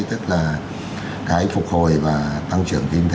tức là cái phục hồi và tăng trưởng kinh tế